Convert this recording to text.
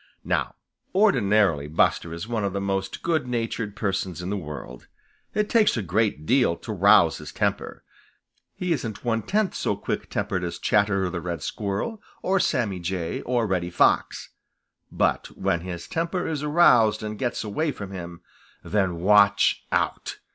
Now ordinarily Buster is one of the most good natured persons in the world. It takes a great deal to rouse his temper. He isn't one tenth so quick tempered as Chatterer the Red Squirrel, or Sammy Jay, or Reddy Fox. But when his temper is aroused and gets away from him, then watch out!